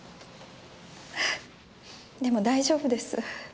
ええでも大丈夫です。